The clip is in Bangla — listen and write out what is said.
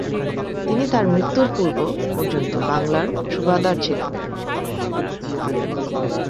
তিনি তার মৃত্যুর পূর্ব পর্যন্ত বাংলার সুবাহদার ছিলেন।